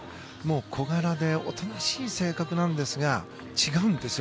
小柄でおとなしい性格なんですが違うんですよ。